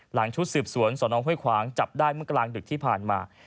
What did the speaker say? หลังชุดสืบสวนสอนองค์เฮ้ยขวางจับได้เมื่อกลางดึกที่ผ่านมา